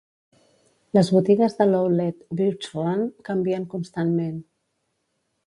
Les botigues de l'outlet Birch Run canvien constantment.